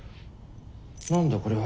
何だこれは？